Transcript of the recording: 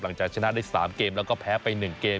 ถ้าได้๓เกมแล้วก็แพ้ไป๑เกม